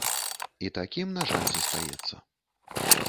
І такім, на жаль, застаецца.